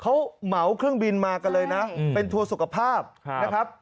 เขาเหมาเครื่องบินมากันเลยนะเป็นทัวร์สุขภาพนะครับ